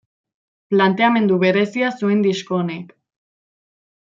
Planteamendu berezia zuen disko honek.